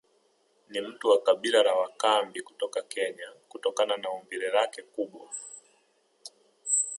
Ni mtu wa kabila la wakambi kutoka Kenya kutokana na umbile lake kubwa